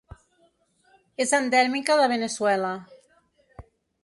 És endèmica de Veneçuela.